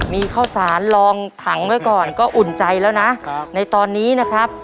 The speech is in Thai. มีข้าวสารลองถังไว้ก่อนก็อุ่นใจแล้วนะในตอนนี้นะครับ